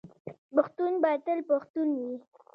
پښتون به تل پښتون وي.